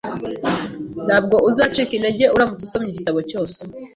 Ntabwo uzacika intege uramutse usomye igitabo cyose